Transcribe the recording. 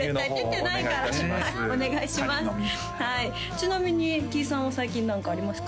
ちなみにキイさんは最近何かありますか？